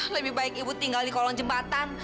lebih baik ibu tinggal di kolong jembatan